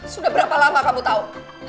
sudah berapa lama kamu tahu